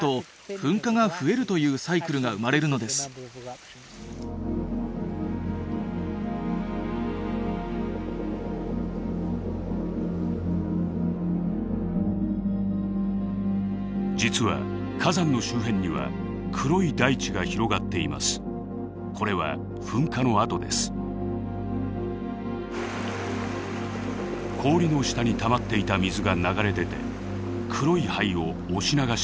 氷の下にたまっていた水が流れ出て黒い灰を押し流したのです。